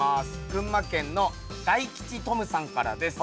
群馬県の大吉富夢さんからです。